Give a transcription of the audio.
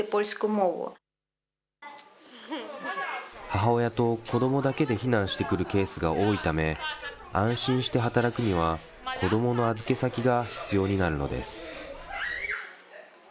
母親と子どもだけで避難してくるケースが多いため、安心して働くには子どもの預け先が必要になるのです。